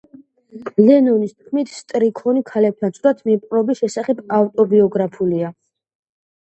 ლენონის თქმით, სტრიქონი ქალებთან ცუდად მოპყრობის შესახებ ავტობიოგრაფიულია.